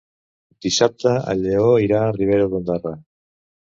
Dissabte en Lleó irà a Ribera d'Ondara.